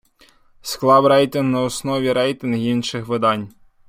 Склав рейтинг на основі рейтингів інших видань.